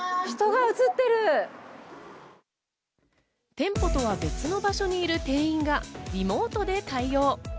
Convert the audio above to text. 店舗とは別の場所にいる店員がリモートで対応。